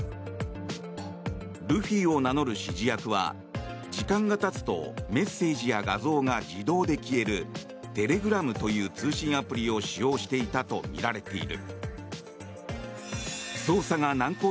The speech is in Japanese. ルフィを名乗る指示役は時間がたつとメッセージや画像が自動で消えるテレグラムという通信アプリを使用していたとみられている。